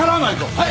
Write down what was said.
はい！